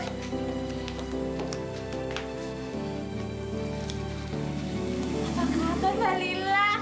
apa kekuatan mbak lila